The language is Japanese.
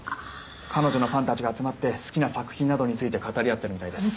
彼女のファンたちが集まって好きな作品などについて語り合ってるみたいです。